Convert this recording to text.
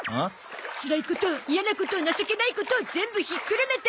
つらいこと嫌なこと情けないこと全部ひっくるめて。